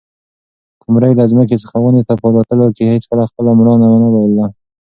قمرۍ له ځمکې څخه ونې ته په الوتلو کې هیڅکله خپله مړانه ونه بایلله.